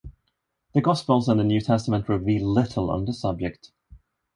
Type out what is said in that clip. The Gospels and the New Testament reveal little on the subject.